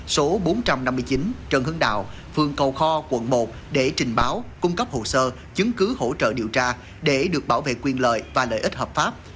số bốn trăm năm mươi chín trần hưng đạo phường cầu kho quận một để trình báo cung cấp hồ sơ chứng cứ hỗ trợ điều tra để được bảo vệ quyền lợi và lợi ích hợp pháp